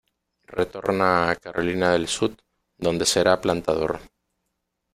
Retorna a Carolina del Sud donde será plantador.